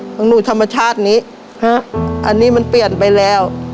ของหนูธรรมชาตินี้อันนี้มันเปลี่ยนไปแล้ว